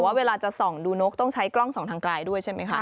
เวลาจะส่องดูนกต้องใช้กล้องส่องทางไกลด้วยใช่ไหมคะ